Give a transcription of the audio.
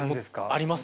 ありますね